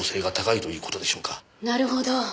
なるほど。